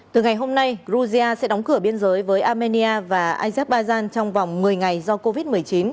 từ ngày hôm nay georgia sẽ đóng cửa biên giới với armenia và azerbaijan trong vòng một mươi ngày do covid một mươi chín